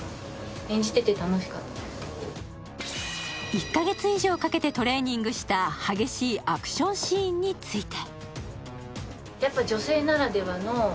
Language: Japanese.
１か月以上かけてトレーニングした激しいアクションシーンについて。